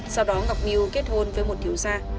sau đó ngọc miu kết hôn với một thiếu gia